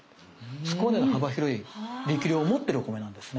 そこまでの幅広い力量を持ってるお米なんですね。